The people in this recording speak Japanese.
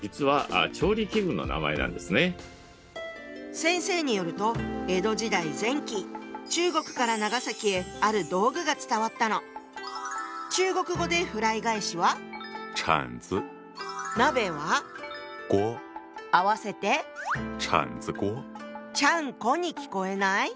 先生によると中国語で合わせて「ちゃんこ」に聞こえない？